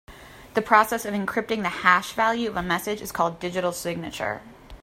The process of encrypting the hash value of a message is called digital signature.